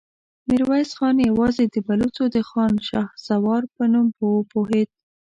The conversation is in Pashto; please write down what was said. ميرويس خان يواځې د بلوڅو د خان شهسوار په نوم وپوهېد.